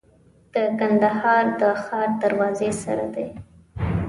د کندهار د ښار دروازې سره دی.